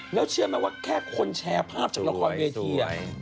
แล้วเชื่อไหมว่าแค่คนแชร์ภาพจากละครเวที